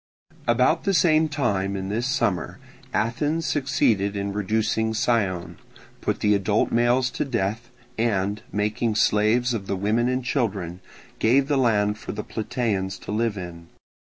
About the same time in this summer Athens succeeded in reducing Scione, put the adult males to death, and, making slaves of the women and children, gave the land for the Plataeans to live in.